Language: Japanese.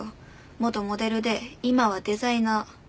元モデルで今はデザイナー。